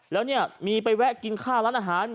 แล้วเนี่ยมีไปแวะกินข้าวร้านอาหาร